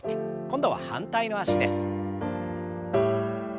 今度は反対の脚です。